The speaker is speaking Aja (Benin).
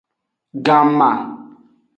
Ganma.